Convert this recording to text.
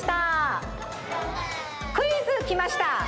クイズきました！